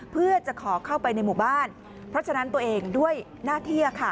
เพื่อจะขอเข้าไปในหมู่บ้านเพราะฉะนั้นตัวเองด้วยหน้าที่